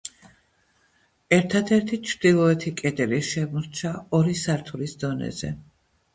ერთადერთი ჩრდილოეთი კედელი შემორჩა ორი სართულის დონეზე.